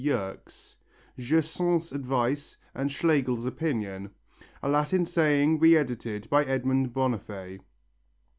T. Yerkes Gersaint's advice and Schlegel's opinion A Latin saying re edited by Edmond Bonnaffé.